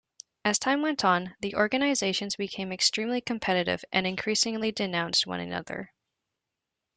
As time went on, the organizations became extremely competitive and increasingly denounced one another.